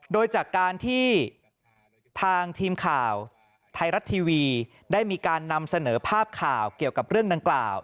โดยจากการที่ทางทีมข่าวไทยรัฐทีวีได้มีการนำเสนอภาพข่าวเกี่ยวกับเรื่องดังกล่าว